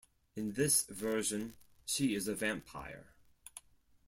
In this version she is a vampire.